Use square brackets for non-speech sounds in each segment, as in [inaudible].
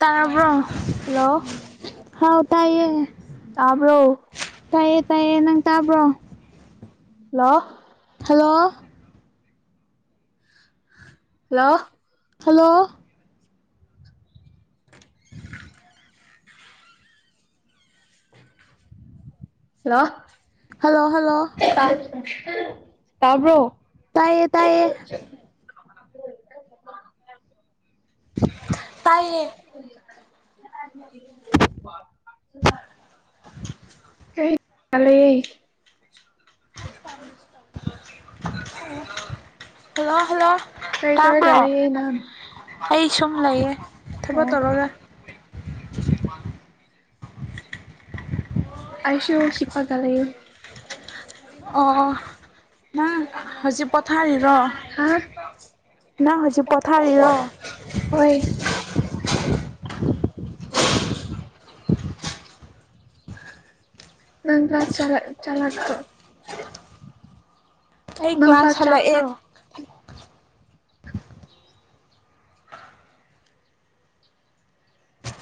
ꯇꯔꯕ꯭ꯔꯣ hello ꯍꯥꯎ ꯇꯥꯏꯌꯦ ꯇꯥꯕ꯭ꯔꯣ ꯇꯥꯏꯌꯦ ꯇꯥꯏꯌꯦ ꯅꯪ ꯇꯥꯕ꯭ꯔꯣ hello hello hello hello hello hello hello ꯇꯕ꯭ꯔꯣ ꯇꯥꯏꯌꯦ ꯇꯥꯏꯌꯦ ꯇꯥꯏꯌꯦ [unintelligible] [inaudible] ꯍꯜꯂꯣ ꯍꯜꯂꯣ ꯀꯔꯤ ꯇꯧꯔꯒ ꯇꯕ꯭ꯔꯣ ꯂꯩꯌꯦ ꯅꯪ ꯑꯩ ꯁꯨꯝ ꯂꯩꯌꯦ ꯊꯕꯛ ꯑꯣ ꯇꯧꯔꯒ ꯑꯁꯨ ꯍꯤꯞꯄꯒ ꯂꯩꯑꯦ ꯑꯣ ꯅꯪ ꯍꯧꯖꯤꯛ ꯄꯣꯊꯥꯔꯤꯔꯣ ꯍꯥ ꯅꯪ ꯍꯧꯖꯤꯛ ꯄꯣꯊꯥꯔꯤꯔꯣ ꯍꯣꯏ [inaudible] ꯅꯪ ꯆꯥꯛ ꯆꯥꯔꯛ ꯆꯥꯔꯛꯈꯔꯣ ꯑꯩ ꯅꯪ ꯄ ꯀ꯭ꯂꯥꯁ ꯍꯜꯂꯛꯑꯦ ꯆꯥꯄ꯭ꯔꯣ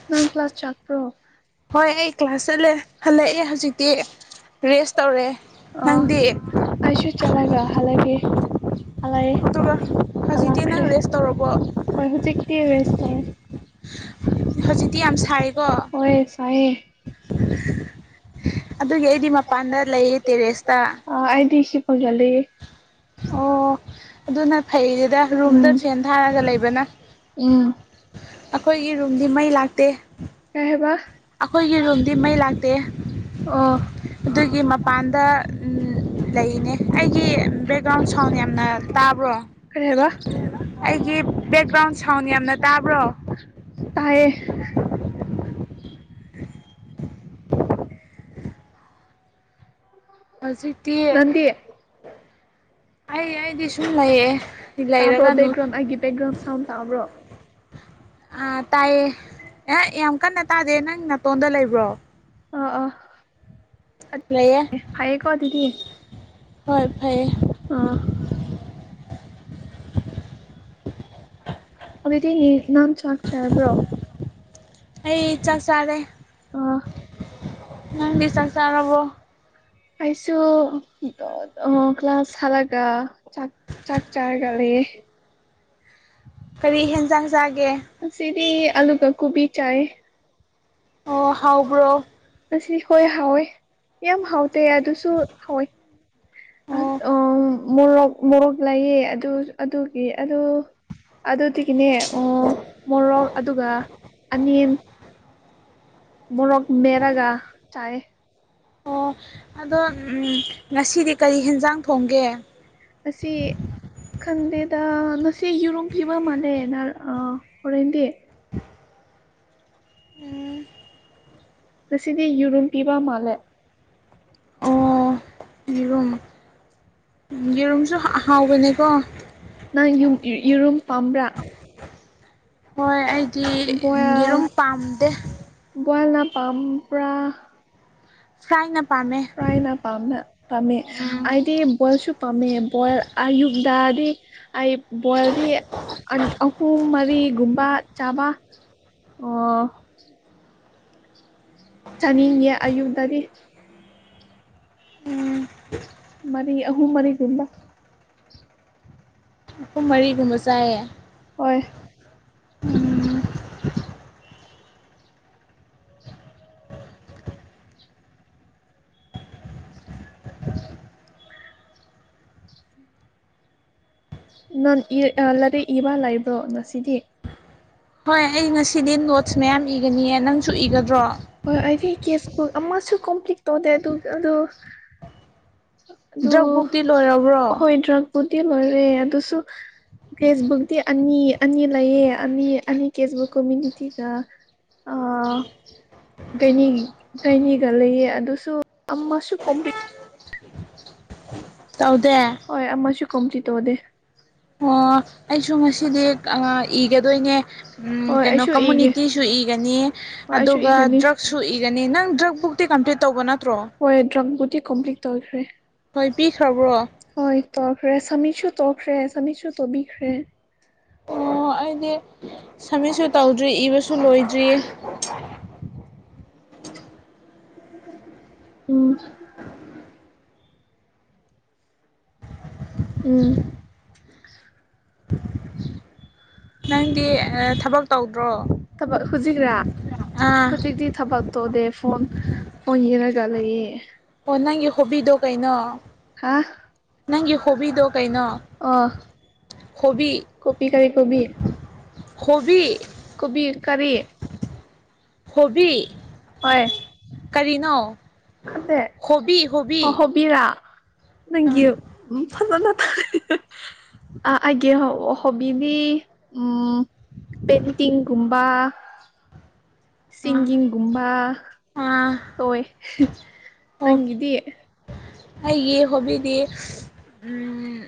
ꯅꯪ ꯀ꯭ꯂꯥꯁ ꯆꯥꯛꯄ꯭ꯔꯣ ꯍꯣꯏ ꯑꯩ ꯀ꯭ꯂꯥꯁ ꯆꯠꯂꯦ ꯍꯜꯂꯛꯑꯦ ꯍꯧꯖꯤꯛꯇꯤ ꯔꯦꯁ ꯇꯧꯔꯦ ꯑ ꯅꯪꯗꯤ ꯑꯩꯁꯨꯨ ꯆꯂꯒ ꯍꯂꯛ ꯑꯜꯑꯦ ꯑꯗꯨꯒ ꯍꯧꯖꯤꯛꯇꯤ ꯅꯪ ꯍꯜꯂꯛꯈ꯭ꯔꯦ ꯔꯦꯁ ꯇꯧꯔꯕꯣ ꯍꯣꯏ ꯍꯧꯖꯤ ꯇꯤ ꯔꯦꯁꯇ ꯇꯧꯑꯦ ꯍꯧꯖꯤꯛꯇꯤ ꯌꯥꯝ ꯁꯥꯏꯀꯣ ꯍꯣꯏ ꯁꯥꯏꯌꯦ ꯑꯗꯨꯒꯤ ꯑꯩꯗꯤ ꯃꯄꯥꯟꯗ ꯂꯩꯌꯦ ꯇꯦꯔꯦꯁꯇ ꯑ ꯑꯩꯗꯤ ꯍꯤꯄꯒꯂꯩꯌꯦ ꯑꯣ ꯑꯗꯨꯅ ꯐꯩꯗ ꯔꯨꯝꯗ ꯎꯝ ꯐꯦꯟ ꯊꯥꯔꯒ ꯂꯩꯕꯅ ꯎꯝ ꯑꯈꯣꯏꯒꯤ ꯔꯨꯝꯗꯤ ꯃꯩ ꯂꯥꯛꯇꯦ ꯀꯩꯍꯥꯏꯕ ꯑꯈꯣꯏꯒꯤ ꯔꯨꯝꯗꯤ ꯃꯩ ꯂꯥꯛꯇꯦ ꯑꯣ ꯑꯗꯨꯒꯤ ꯃꯄꯥꯟꯗ ꯑꯝ ꯂꯩꯅꯦ ꯑꯩꯒꯤ ꯕꯦꯛꯒ꯭ꯔꯥꯎꯟ ꯁꯥꯎꯟ ꯌꯥꯝꯅ ꯇꯥꯕ꯭ꯔꯣ ꯀꯔꯤ ꯍꯥꯏꯕ ꯑꯩꯒꯤ ꯕꯦꯛꯒ꯭ꯔꯥꯎꯟ ꯁꯥꯎꯟ ꯌꯥꯝꯅ ꯇꯥꯕ꯭ꯔꯣ ꯇꯥꯏꯌꯦ ꯍꯧꯖꯤꯛꯇꯤ ꯅꯪꯗꯤ ꯑꯩ ꯑꯩꯗꯤ ꯁꯨꯝ ꯂꯩꯑꯦ ꯇꯥꯕ꯭ꯔꯣ ꯕꯦꯛꯒ꯭ꯔꯥꯎꯟ ꯑꯒꯤ ꯕꯦꯛꯒ꯭ꯔꯥꯎꯟ ꯁꯥꯎꯟ ꯇꯥꯕ꯭ꯔꯣ ꯑ ꯇꯥꯏꯌꯦ ꯑꯦ ꯌꯥꯝ ꯀꯟꯅ ꯇꯥꯗꯦ ꯅꯪ ꯅꯥꯇꯣꯟꯗ ꯂꯩꯕ꯭ꯔꯣ ꯑ ꯑꯥ ꯂꯩꯌꯦ ꯍꯥꯏꯌꯦꯀꯣ ꯑꯗꯨꯤꯗꯤ ꯍꯣꯏ ꯐꯩꯌꯦ ꯑꯥ ꯑꯗꯨꯗꯤꯅꯦ ꯅꯝ ꯆꯥꯛ ꯆꯔꯕ꯭ꯔꯣ ꯑꯩ ꯆꯥꯛ ꯆꯥꯔꯦ ꯑ ꯅꯪꯗꯤ ꯆꯥꯛ ꯆꯔꯕꯣ ꯑꯩꯁꯨ ꯑꯣ ꯀ꯭ꯂꯥꯁ ꯍꯥꯂꯒ ꯆꯥꯛ ꯆꯥꯛ ꯆꯥꯔꯒ ꯂꯩ ꯌꯦ ꯀꯔꯤ ꯍꯦꯟꯖꯥꯡ ꯆꯥꯒꯦ ꯉꯁꯤꯗꯤ ꯑꯂꯨ ꯥꯀ ꯀꯨꯕꯤ ꯆꯥꯏꯑꯦ ꯑꯣ ꯍꯥꯎꯕ꯭ꯔꯣ ꯑꯁꯤ ꯍꯣꯏ ꯍꯥꯎꯋꯦ ꯌꯥꯝ ꯍꯥꯎ ꯇꯦ ꯑꯗꯨꯁꯨ ꯍꯥꯎꯑꯦ ꯑꯣ ꯎ ꯃꯣꯔꯣꯛ ꯃꯣꯔꯣꯛ ꯂꯩꯌꯦ ꯑꯗꯨ ꯑꯗꯨꯒꯤ ꯑꯗꯨ ꯑꯗꯨꯗꯤ ꯀꯤꯅꯦ ꯑꯣ ꯃꯣꯔꯣꯛ ꯑꯗꯨꯒ ꯑꯅꯤꯝ ꯃꯣꯔꯣꯛ ꯃꯦꯠꯂꯒ ꯆꯥꯏ ꯑꯣ ꯑꯗꯣ ꯑꯝ ꯉꯁꯤꯗꯤ ꯀꯔꯤ ꯍꯦꯟꯖꯥꯡ ꯊꯣꯡꯒꯦ ꯈꯟꯗꯦꯗꯥ ꯉꯁꯤ ꯌꯦꯔꯨꯝ ꯄꯤꯕ ꯃꯥꯜꯂꯦ ꯅ ꯑ ꯍꯣꯔꯦꯟꯗꯤ ꯎꯝ ꯉꯁꯤꯗꯤ ꯌꯦꯔꯨꯝ ꯄꯤꯕ ꯃꯥꯜꯂꯦ ꯑꯣ ꯌꯦꯔꯨꯝ ꯌꯦꯔꯨꯝꯁꯨ ꯍ ꯍꯥꯎꯕꯅꯦꯀꯣ ꯅꯪ ꯌꯨꯝ ꯌꯦꯔꯨꯝ ꯄꯥꯝꯕ꯭ꯔꯥ ꯍꯣꯏ ꯑꯩꯗꯤ ꯕꯣꯏꯜ ꯌꯦꯔꯨꯝ ꯄꯥꯝꯗꯦ ꯄꯝꯄ꯭ꯔꯥ ꯐ꯭ꯔꯥꯏꯅ ꯄꯥꯝꯃꯦ [unintelligible] ꯐ꯭ꯔꯥꯏꯅ ꯄꯥꯝꯅ ꯄꯥꯝꯃꯦ ꯎꯝ ꯑꯩꯗꯤ ꯕꯣꯏꯜꯁꯨ ꯄꯥꯝꯃꯦ ꯕꯣꯏꯜ ꯑꯌꯨꯛꯇꯗꯗꯤ ꯑꯩ ꯕꯣꯢꯜꯗꯤ ꯑꯟ ꯑꯍꯨꯝ ꯃꯔꯤꯒꯨꯝꯕ ꯆꯥꯕ ꯑꯣ ꯆꯥꯅꯤꯡꯉꯦ ꯑꯌꯨꯛꯇꯗꯤ ꯎꯝ ꯃꯔꯤ ꯑꯍꯨꯝ ꯃꯔꯤꯒꯨꯝꯕ ꯑꯍꯨꯝ ꯃꯔꯤꯒꯨꯝꯕ ꯆꯥꯏꯌꯦ ꯍꯣꯏ ꯎꯝ [inaudible] ꯅꯪ ꯂꯩꯔꯤꯛ ꯏꯕ ꯂꯩꯕ꯭ꯔꯣ ꯉꯁꯤꯗꯤ ꯍꯣꯏ ꯑꯩ ꯉꯁꯤꯗꯤ ꯅꯣꯠꯁ ꯃꯌꯥꯝ ꯏꯒꯅꯤꯌꯦ ꯅꯪꯁꯨ ꯏꯒꯗ꯭ꯔꯣ ꯇꯦꯛꯁꯕꯨꯛ ꯑꯃꯁꯨ ꯀꯣꯝꯄ꯭ꯂꯤꯠ ꯇꯧꯗꯦ ꯑꯗꯨ ꯑꯗꯨ ꯑꯗꯨ ꯗ꯭ꯔꯛ ꯕꯨꯛꯇꯤ ꯂꯣꯏꯔꯕ꯭ꯔꯣ ꯍꯣꯏ ꯗ꯭ꯔꯛꯄꯨꯗꯤ ꯂꯣꯏꯔꯦ ꯑꯗꯨꯁꯨ ꯀꯦꯁꯕꯨꯛꯗꯤ ꯑꯅꯤ ꯑꯅꯤ ꯂꯩꯌꯦ ꯑꯅꯤ ꯑꯅꯤ ꯀꯦꯁꯕꯨꯛ ꯀꯝꯃ꯭ꯌꯨꯅꯤꯇꯤꯒ ꯑꯥ [unintelligible] ꯅꯤꯒ ꯂꯩꯌꯦ ꯑꯗꯨꯁꯨ ꯑꯃꯁꯨ ꯀꯣꯝ ꯇꯧꯗꯦ ꯍꯣꯏ ꯑꯃꯁꯨ ꯀꯝꯄ꯭ꯂꯤꯠ ꯇꯧꯗꯦ ꯑꯣ ꯑꯩꯁꯨ ꯉꯁꯤꯗꯤ ꯑꯥ ꯏꯒꯗꯣꯏꯅꯦ ꯍꯣꯏ ꯀꯩꯅꯣ ꯑꯩꯁꯨ ꯏꯒꯦ ꯀꯝꯃꯨꯅꯤꯇꯤꯁꯨ ꯏꯒꯅꯤ ꯍꯣꯏ ꯑꯩꯁꯨ ꯑꯗꯨꯒ ꯏꯒꯅꯤ ꯗ꯭ꯔꯛꯁꯨ ꯏꯒꯅꯤ ꯅꯪ ꯗ꯭ꯔꯛꯕꯨꯛꯇꯤ ꯀꯝꯄ꯭ꯂꯤꯠ ꯇꯧꯕ ꯅꯠꯇ꯭ꯔꯣ ꯑꯩ ꯀꯝꯄ꯭ꯂꯤꯠ ꯇꯧꯈ꯭ꯔꯦ ꯍꯣꯏ ꯄꯤꯈ꯭ꯔꯕ꯭ꯔꯣ ꯍꯣꯏ ꯇꯧꯈ꯭ꯔꯦ ꯁꯝꯃꯤꯁꯁꯨ ꯇꯣꯛꯈ꯭ꯔꯦ ꯁꯥꯃꯤꯁꯁꯨ ꯇꯧꯕꯤꯈ꯭ꯔꯦ ꯑꯣ ꯑꯩꯗꯤ ꯁꯃꯤꯠꯁꯨ ꯇꯧꯗ꯭ꯔꯤ ꯏꯕꯁꯨ ꯂꯣꯏꯗ꯭ꯔꯤ ꯎꯝ ꯎꯝ ꯅꯪꯗꯤ ꯑꯥ ꯊꯕꯛ ꯇꯧꯗ꯭ꯔꯣ ꯊꯕꯛ ꯍꯧꯖꯤꯛꯔꯥ ꯑꯥ ꯍꯧꯖꯤꯛꯇꯤ ꯊꯕꯛ ꯇꯧꯗꯦ ꯐꯣꯟ ꯐꯣꯟ ꯌꯦꯡꯉꯒ ꯂꯩꯌꯦ ꯑꯣ ꯅꯪꯒꯤ ꯍꯣꯕꯤꯗꯣ ꯀꯩꯅꯣ ꯍꯥꯥ ꯅꯪꯒꯤ ꯍꯣꯕꯤꯗꯣ ꯀꯩꯅꯣ ꯍꯣꯕꯤ ꯀꯣꯕꯤ ꯀꯔꯤ ꯀꯣꯕꯤ ꯍꯣꯕꯤ ꯀꯣꯕꯤ ꯀꯔꯤ ꯍꯣꯕꯤ ꯍꯣꯏ ꯀꯔꯤꯅꯣ ꯈꯪꯗꯦ ꯍꯣꯕꯤ ꯍꯣꯕꯤ ꯍꯣꯕꯤꯔ ꯅꯪꯒꯤ ꯑꯥ ꯐꯖꯅ ꯇꯗꯦꯗ ꯑꯥ ꯑꯩꯒꯤ ꯍꯣꯕꯤꯗꯤ ꯎꯝ ꯄꯦꯟꯇꯤꯡꯒꯨꯝꯕ ꯑꯥ ꯁꯤꯡꯒꯤꯡ ꯒꯨꯝꯕ ꯑꯥ ꯑꯣꯏ ꯑꯣ ꯅꯪꯒꯤꯗꯤ ꯑꯩꯒꯤ ꯍꯣꯕꯤꯗꯤ ꯎꯝ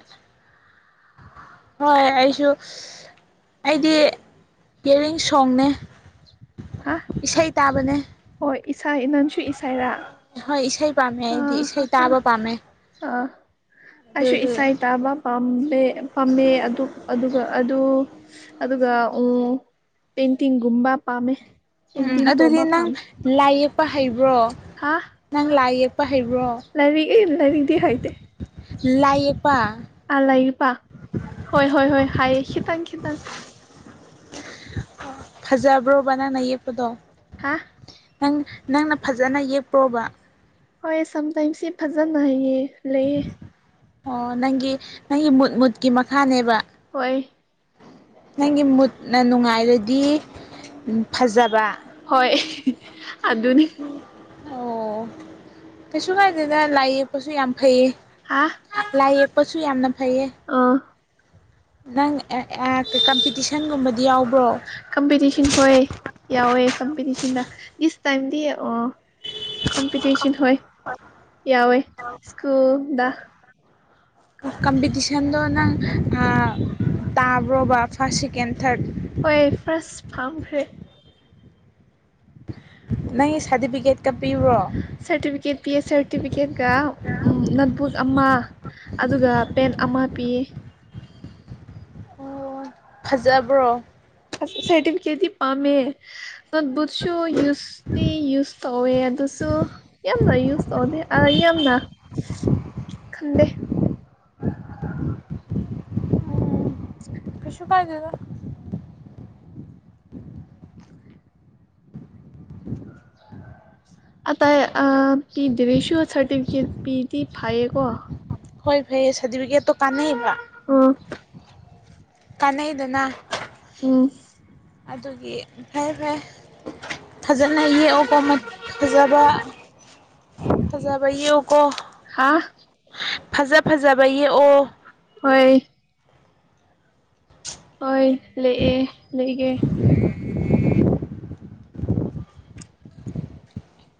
ꯍꯣꯏ ꯑꯩꯁꯨ ꯑꯩꯗꯤ ꯏꯌꯥꯔꯤꯡ ꯁꯣꯡꯅꯦ ꯍꯥ ꯏꯁꯩ ꯇꯥꯕꯅꯦ ꯍꯣꯏ ꯏꯁꯥꯏ ꯅꯪꯁꯨ ꯏꯁꯥꯏꯔ ꯍꯣꯏ ꯏꯁꯩ ꯄꯥꯝꯃꯦ ꯑꯩꯗꯤ ꯏꯁꯩ ꯇꯥꯕ ꯄꯥꯝꯃꯦ ꯑꯥ ꯑꯩꯁꯨ ꯑꯗꯨ ꯏꯁꯩ ꯇꯥꯕ ꯄꯥꯝꯗꯦ ꯄꯥꯝꯃꯦ ꯑꯗꯨ ꯑꯗꯨꯒ ꯑꯗꯨ ꯑꯗꯨꯒ ꯎꯝ ꯄꯦꯟꯇꯤꯡꯒꯨꯝꯕ ꯄꯥꯝꯃꯦ ꯎꯝ ꯄꯦꯟꯇꯤꯡ ꯑꯗꯨꯗꯤ ꯇꯧꯕ ꯅꯪ ꯄꯥꯝꯃꯦ ꯂꯥꯏ ꯌꯦꯛꯄ ꯍꯩꯕ꯭ꯔꯣ ꯍꯥ ꯂꯥꯏ ꯌꯦꯛꯄ ꯍꯩꯕ꯭ꯔꯣ ꯂꯥꯏꯔꯤꯛ ꯂꯥꯏꯔꯤꯛꯇꯤ ꯍꯩꯇꯦ ꯂꯥꯏꯌꯦꯛꯄ ꯑꯥ ꯂꯥꯏ ꯌꯦꯛꯄ ꯍꯣꯏ ꯍꯣꯏ ꯍꯣꯏ ꯍꯩ ꯈꯤꯇꯪ ꯈꯤꯇꯪ ꯐꯖꯕ꯭ꯔꯣꯕ ꯅꯪꯅ ꯌꯦꯛꯄꯗꯣ ꯍꯥ ꯅꯪ ꯅꯪꯅ ꯐꯖꯅ ꯌꯦꯛꯄ꯭ꯔꯣꯕ ꯍꯣꯏ ꯁꯝꯇꯥꯏꯝꯁꯤ ꯐꯖꯅ ꯍꯩꯌꯦ ꯂꯩꯌꯦ ꯑꯣ ꯅꯪꯒꯤ ꯅꯪꯒꯤ ꯃꯨꯠ ꯃꯨꯠꯀꯤ ꯃꯈꯥꯅꯦꯕ ꯍꯣꯏ ꯅꯪꯒꯤ ꯃꯨꯠꯅ ꯅꯨꯡꯉꯥꯏꯔꯗꯤ ꯐꯖꯕ ꯍꯣꯏ ꯑꯗꯨꯅꯤ ꯀꯩꯁꯨꯀꯥꯏꯗꯦꯗ ꯂꯥꯏ ꯌꯦꯛꯄꯁꯨ ꯌꯥꯝ ꯐꯩꯌꯦ ꯍꯥ ꯂꯥꯏ ꯌꯦꯛꯄꯁꯨ ꯌꯥꯝꯅ ꯐꯩꯌꯦ ꯑꯥ ꯅꯪ ꯀꯝꯄꯤꯇꯤꯁꯟꯒꯨꯝꯕꯗꯤ ꯌꯥꯎꯕ꯭ꯔꯣ [unintelligible] ꯀꯝꯄꯤꯇꯤꯁꯟ ꯍꯣꯏ ꯌꯥꯎꯋꯦ ꯀꯝꯄꯤꯇꯤꯁꯟꯗ ꯏꯁꯇꯥꯝꯗꯤ ꯑꯥ ꯀꯝꯄꯤꯇꯤꯁꯟ ꯍꯣꯏ [unintelligible] ꯌꯥꯎꯋꯦ ꯁ꯭ꯀꯨꯜꯗ ꯀꯝꯄꯤꯇꯤꯁꯟꯗꯣ ꯅꯪ ꯑꯥ ꯇꯥꯕ꯭ꯔꯣꯕꯥ ꯐꯥꯔꯁ ꯁꯦꯀꯦꯟ ꯊꯔꯠ ꯍꯣꯏ ꯐꯥꯔꯁ ꯐꯪꯈ꯭ꯔꯦ ꯅꯪꯒꯤ ꯁꯥꯗꯤꯕꯤꯒꯦꯠ ꯁꯥꯔꯇꯤꯐꯤꯀꯦꯠ ꯄꯤ ꯁꯔꯇꯤꯐꯤꯀꯦꯠꯀ ꯎꯝ ꯅꯣꯠꯕꯨꯛ ꯑꯃ ꯑꯗꯨꯒ ꯄꯦꯟ ꯑꯃ ꯄꯤꯌꯦ ꯐꯖꯕ꯭ꯔꯣ ꯁꯔꯇꯤꯐꯦꯠꯗꯤ ꯄꯝꯃꯦ ꯇꯠ ꯕꯨꯊꯁꯨ ꯌꯨꯁꯇꯤ ꯌꯨꯁ ꯇꯧꯋꯦ ꯑꯗꯨꯁꯨ ꯌꯥꯝꯅ ꯌꯨꯁ ꯇꯧꯗꯦ ꯑꯥ ꯌꯥꯝꯅ ꯈꯪꯗꯦ ꯀꯩꯁꯨ ꯀꯥꯏꯗꯦꯗ ꯑꯥꯇꯩ ꯑꯥ ꯄꯤꯗ꯭ꯔꯦꯁꯨ ꯁꯥꯔꯇꯤꯐꯤꯀꯦꯠ ꯄꯤꯗꯤ ꯐꯌꯦꯀꯣ ꯍꯣꯏ ꯐꯩꯌꯦ ꯁꯥꯔꯇꯤꯐꯤꯀꯦꯠꯇꯣ ꯀꯥꯟꯅꯩꯕ [unintelligible] ꯀꯥꯟꯅꯩꯗꯅ ꯎꯝ ꯑꯥꯗꯨꯒꯤ ꯐꯩ ꯐꯩ ꯐꯖꯅ ꯌꯦꯛꯑꯣꯀꯣ ꯐꯖꯕ ꯐꯖꯕ ꯌꯦꯛꯑꯣꯀꯣ ꯍꯥ ꯐꯖ ꯐꯖꯕ ꯌꯦꯛꯑꯣ ꯍꯣꯏ ꯍꯣꯏ ꯂꯩꯑꯦ ꯂꯩꯒꯦ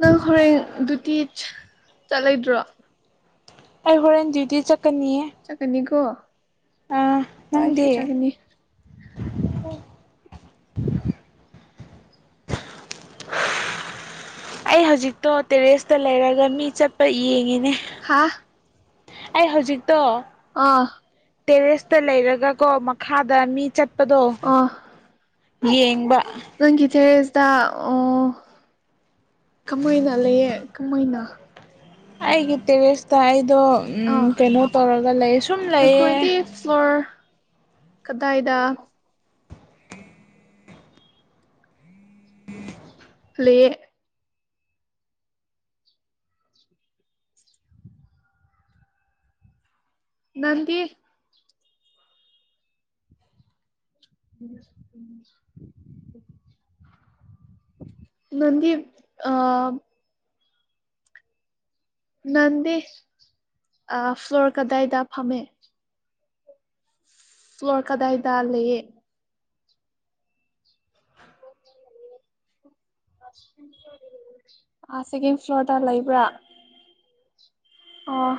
ꯅꯪ ꯍꯣꯔꯦꯟ ꯗꯨꯇꯤ ꯆꯠꯂꯣꯏꯗ꯭ꯔꯣ ꯑꯩ ꯍꯣꯔꯦꯟ ꯗ꯭ꯌꯨꯇꯤ ꯆꯠ ꯆꯠꯀꯅꯤꯀꯣ ꯑꯥ ꯋꯥꯥꯏꯁꯨ ꯅꯪꯗꯤ ꯆꯒꯅꯤ [unintelligible] ꯑꯩ ꯍꯧꯖꯤꯛꯇꯣ ꯇꯦꯔꯦꯁꯇ ꯂꯩꯔꯒ ꯃꯤ ꯆꯠꯄ ꯌꯦꯡꯉꯤꯅꯦ ꯍꯥ ꯑꯩ ꯍꯧꯖꯤꯛꯇꯣ ꯑꯥ ꯇꯦꯔꯦꯁꯇ ꯂꯩꯔꯒ ꯀꯣ ꯃꯛ ꯈꯥꯗ ꯃꯤ ꯆꯠꯄꯗꯣ ꯑꯥ ꯌꯦꯡꯕ ꯇꯥ ꯑꯣ ꯀꯃꯩꯅ ꯂꯩꯌꯦ ꯀꯃꯩꯅ ꯑꯩꯒꯤ ꯇꯦꯔꯦꯁꯇ ꯑꯩ ꯗꯣ ꯎꯝ ꯑꯥ ꯀꯩꯅꯣ ꯇꯧꯔꯒ ꯂꯩ ꯁꯨꯝ ꯂꯩꯌꯦ ꯅꯈꯣꯏꯗꯤ ꯐ꯭ꯂꯣꯔ ꯀꯗꯥꯏꯗ ꯂꯤꯌꯦ ꯅꯟꯗꯤ [unintelligible] ꯅꯟꯗꯤꯞ ꯑꯥ ꯅꯟꯗꯤ ꯑꯥ ꯐ꯭ꯂꯣꯔ ꯀꯗꯥꯏꯗ ꯐꯝꯃꯦ ꯐ꯭ꯂꯣꯔ ꯀꯗꯥꯏꯗꯥ ꯂꯩꯌꯦ ꯑꯥ ꯁꯦꯀꯦꯟ ꯐ꯭ꯂꯣꯔꯗ ꯂꯩꯕ꯭ꯔꯥ ꯑꯣ